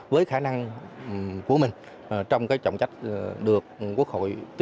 với khả năng của mình